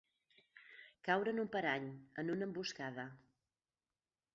Caure en un parany, en una emboscada.